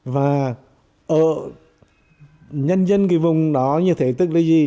và ở nhân dân cái vùng đó như thế tức là gì